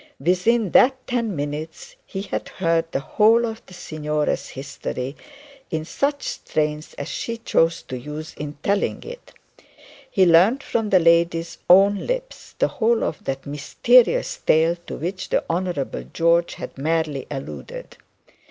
Within that ten minutes he had heard the whole of signora's history in such strains as she chose to use in telling it. He learnt from the lady's own lips the whole of that mysterious tale to which the Honourable George had merely alluded.